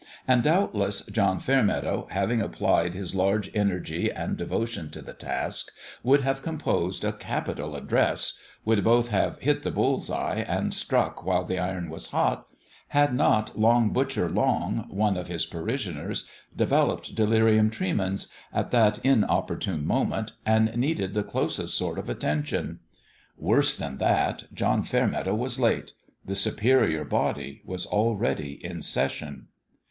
And doubtless John Fairmeadow, having applied his large energy and devotion to the task, would have composed a capital address would both have "hit the bull's eye " and " struck while the iron was hot " had not Long Butcher Long, one of his parishioners, developed delirium tremens, at that inopportune moment, and needed the closest sort of attention. Worse than that, John Fairmeadow was late : the Superior Body was already in session.